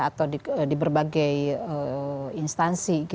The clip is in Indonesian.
atau di berbagai instansi